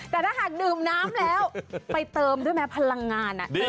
แต่ถ้าหากดื่มน้ำแล้วไปเติมพลังงานด้วยไหม